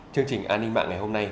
chương trình an ninh mạng ngày hôm nay